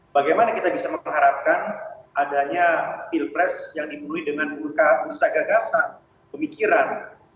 bagaimana kita bisa mengharapkan adanya pilpres yang dipenuhi dengan urka usaha gagasan pemikiran